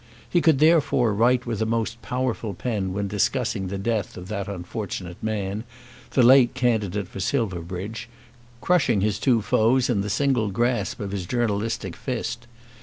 He could, therefore, write with a most powerful pen when discussing the death of that unfortunate man, the late candidate for Silverbridge, crushing his two foes in the single grasp of his journalistic fist.